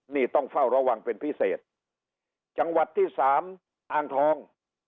นี่ต้องเฝ้าระวังเป็นพิเศษจังหวัดที่สามอ่างทอง